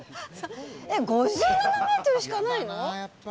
５７ｍしかないの？